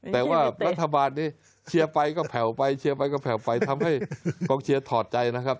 แต่ว่ารัฐบาลนี้เชียร์ไปก็แผ่วไปเชียร์ไปก็แผ่วไปทำให้กองเชียร์ถอดใจนะครับ